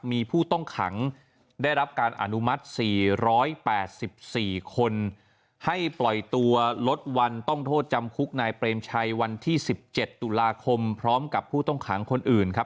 มีผู้ต้องขังได้รับการอนุมัติ๔๘๔คนให้ปล่อยตัวลดวันต้องโทษจำคุกนายเปรมชัยวันที่๑๗ตุลาคมพร้อมกับผู้ต้องขังคนอื่นครับ